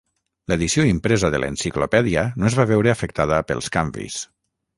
L'edició impresa de l'enciclopèdia no es va veure afectada pels canvis.